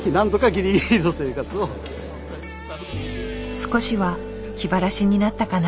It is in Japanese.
少しは気晴らしになったかな？